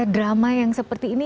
drama yang seperti ini